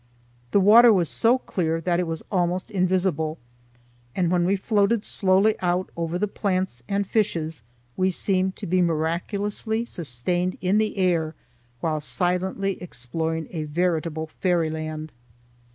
The water was so clear that it was almost invisible, and when we floated slowly out over the plants and fishes, we seemed to be miraculously sustained in the air while silently exploring a veritable fairyland.